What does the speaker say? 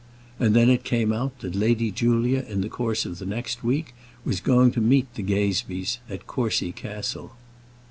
And then it came out that Lady Julia in the course of the next week was going to meet the Gazebees at Courcy Castle.